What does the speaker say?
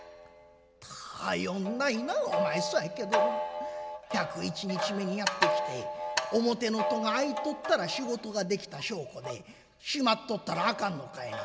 「頼んないなお前そやけど１０１日目にやって来て表の戸が開いとったら仕事ができた証拠で閉まっとったらあかんのかいな。